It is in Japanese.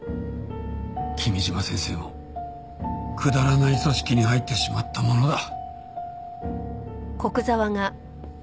君嶋先生もくだらない組織に入ってしまったものだ。